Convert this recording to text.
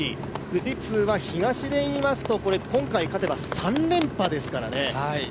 富士通は東で言いますと今回勝てば３連覇ですからね。